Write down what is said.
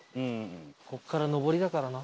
ここから上りだからな。